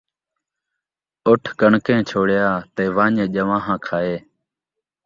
اُٹھ کݨکیں چھوڑیا تے ونڄ جوانہاں کھائے